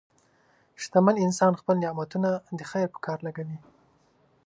شتمن انسان خپل نعمتونه د خیر په کار لګوي.